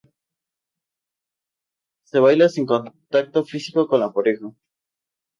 Se baila sin contacto físico con la pareja.